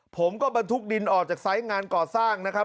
ผมก็บรรทุกดินออกจากไซส์งานก่อสร้างนะครับ